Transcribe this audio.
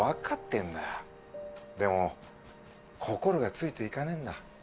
でも心がついていかねえんだ。